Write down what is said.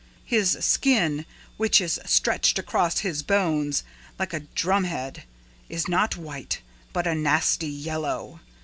His skin, which is stretched across his bones like a drumhead, is not white, but a nasty yellow.